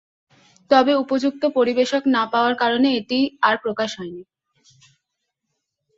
তবে উপযুক্ত পরিবেশক না পাওয়ার কারণে এটি আর প্রকাশ হয়নি।